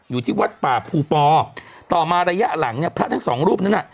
อยู่ที่วัดป่าภูปอต่อมาระยะหลังเนี่ยพระทั้งสองรูปนั้นน่ะ